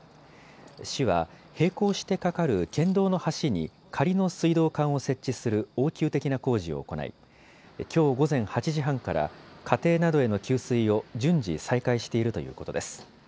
市は並行して架かる県道の橋に仮の水道管を設置する応急的な工事を行いきょう午前８時半から家庭などへの給水を順次再開しているということです。